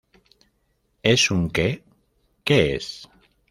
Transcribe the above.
¿ Es un qué? ¿ qué es?